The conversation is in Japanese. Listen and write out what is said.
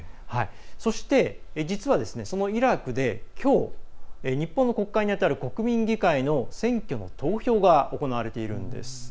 そして、実はそのイラクできょう、日本の国会にあたる国民議会の選挙の投票が行われているんです。